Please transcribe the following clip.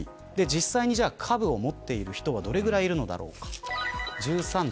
実際に株を持っている人はどれぐらいいるのか。